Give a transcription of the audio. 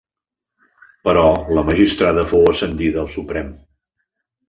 Però la magistrada fou ascendida al Suprem.